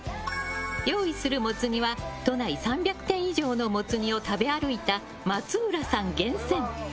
用意するモツ煮は都内３００店以上のモツ煮を食べ歩いた松浦さん厳選。